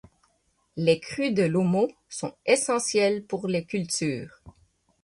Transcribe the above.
Les crues de l'Omo sont essentielles pour les cultures.